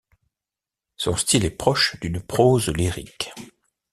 Son style est proche d'une prose lyrique.